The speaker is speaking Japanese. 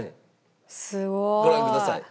すごい。ご覧ください。